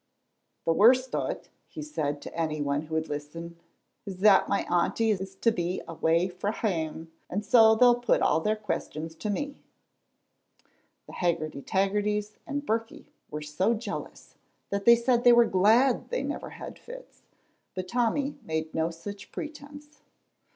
"The worst o't," he said to anyone who would listen, "is that my auntie is to be away frae hame, and so they'll put a' their questions to me." The Haggerty Taggertys and Birkie were so jealous that they said they were glad they never had fits, but Tommy made no such pretence.